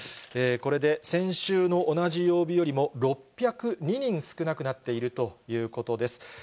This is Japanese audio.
これで先週の同じ曜日よりも、６０２人少なくなっているということです。